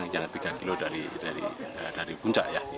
yang tiga kilo dari puncak ya